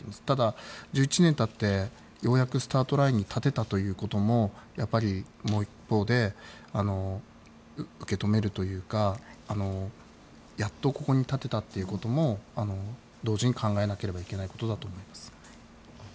ただ、１１年経ってようやくスタートラインに立てたこともやっぱり、もう一方で受け止めるというかやっとここに立てたということも同時に考えないといけないことだと思います。